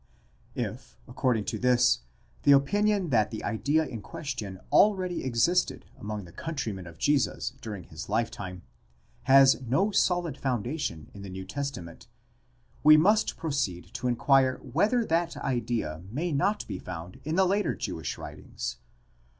!? If, according to this, the opinion that the idea in question already existed among the countrymen of Jesus during his lifetime, has no solid foundation in the New Testament; we must proceed to inquire whether that idea may not be found in the later Jewish writings.